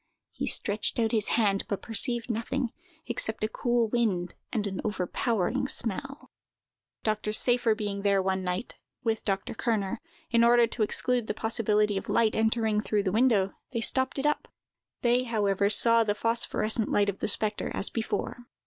He stretched out his hand, but perceived nothing, except a cool wind and an overpowering smell. Dr. Seyffer being there one night, with Dr. Kerner, in order to exclude the possibility of light entering through the window, they stopped it up. They, however, saw the phosphorescent light of the spectre, as before.